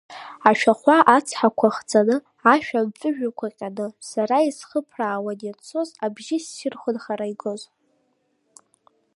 Ашәахәа ацҳақәа хҵаны, ашәа амҵәыжәҩақәа ҟьаны, сара исхыԥраауан ианцоз, абжьы ссирхон хара игоз.